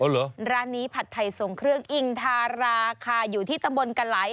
เหรอร้านนี้ผัดไทยส่งเครื่องอิงทาราคาอยู่ที่ตำบลกะไหล